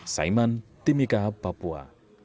saiman timika papua